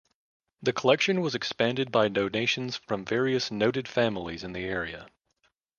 The collection was expanded by donations from various noted families in the area.